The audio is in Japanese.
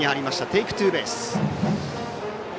テイクツーベース。